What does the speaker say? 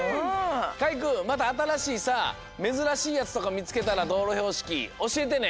かいくんまたあたらしいさめずらしいやつとかみつけたらどうろひょうしきおしえてね。